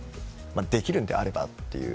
できるのであれば。